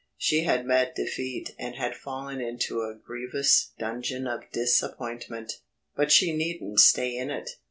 She had met defeat and she had fallen into a grievous Dungeon of Disappointment, but she needn't stay in it.